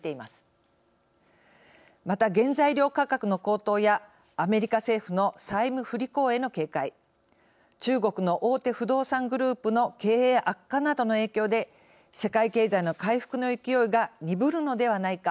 また原材料価格の高騰やアメリカ政府の債務不履行への警戒中国の大手不動産グループの経営悪化などの影響で世界経済の回復の勢いが鈍るのではないか。